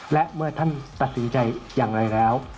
และเมื่อท่านตัดสินใจอย่างไรแล้ว